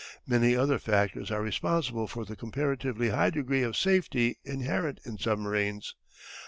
Many other factors are responsible for the comparatively high degree of safety inherent in submarines.